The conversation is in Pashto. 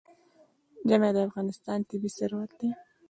ژمی د افغانستان طبعي ثروت دی.